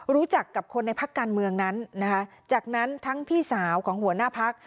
รู้จักกับคนในพักการเมืองนั้นนะคะจากนั้นทั้งพี่สาวของหัวหน้าพัก